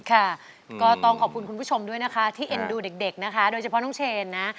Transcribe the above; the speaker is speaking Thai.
ค่ะก็ต้องขอบคุณคุณผู้ชมด้วยนะคะที่เอ็นดูเด็กนะคะโดยเฉพาะน้องเชนนะ